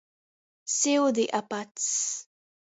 Syudi ap acs.